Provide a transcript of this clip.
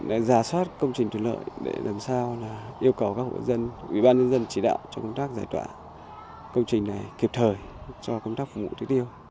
để giả soát công trình thủy lợi để làm sao yêu cầu các hội dân ủy ban nhân dân chỉ đạo cho công tác giải tỏa công trình này